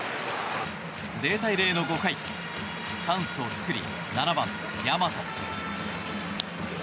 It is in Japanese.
０対０の５回チャンスを作り７番、大和。